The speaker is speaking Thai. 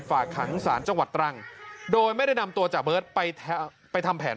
ฝากขังสารจังหวัดตรังโดยไม่ได้นำตัวจ่าเบิร์ตไปทำแผน